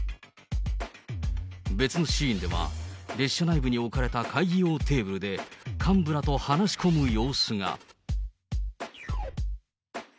別のシーンでは、列車内部に置かれた会議用テーブルで、幹部らと話し込む様子が。